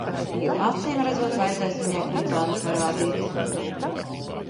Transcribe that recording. Acīmredzot, vajadzēs viņai kucēnu parādīt.